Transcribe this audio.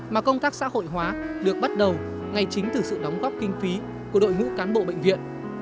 mà công tác xã hội hóa được bắt đầu ngay chính từ sự đóng góp kinh phí của đội ngũ cán bộ bệnh viện